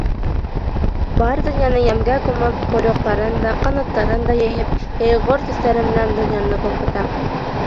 Бар донъяны йәмгә күмеп ҡойроҡтарын да, ҡанаттарын да йәйеп, йәйғор төҫтәре менән донъяны балҡыта.